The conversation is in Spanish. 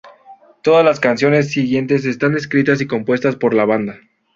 Todas las canciones siguientes están escritas y compuestas por la banda.